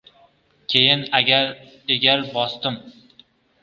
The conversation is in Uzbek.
Keyin egar bosdim.